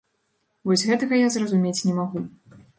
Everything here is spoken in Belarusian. Вось гэтага я зразумець не магу.